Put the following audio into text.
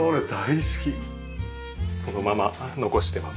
そのまま残してます。